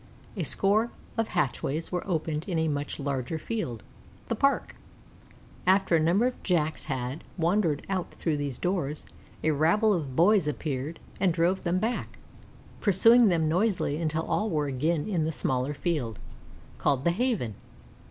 A score of hatchways were opened into a much larger field the Park. After a number of Jacks had wandered out through these doors a rabble of boys appeared and drove them back, pursuing them noisily until all were again in the smaller field, called the Haven.